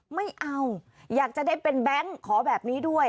ไม่เอาอยากจะได้เป็นแบงค์ขอแบบนี้ด้วย